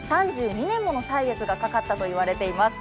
３２年もの歳月がかかったと言われています。